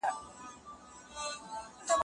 قیامت یوه دروغجنه افسانه ده